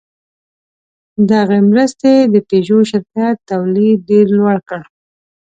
دغې مرستې د پيژو شرکت تولید ډېر لوړ کړ.